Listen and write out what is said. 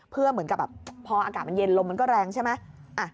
เพื่อเหมือนกับแบบพออากาศมันเย็นลมมันก็แรงใช่ไหม